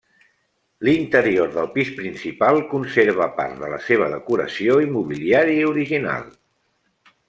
L'interior del pis principal conserva part de la seva decoració i mobiliari original.